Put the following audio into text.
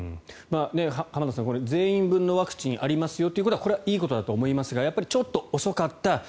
浜田さん全員分のワクチンありますよということはこれはいいことだと思いますがやっぱりちょっと遅かった。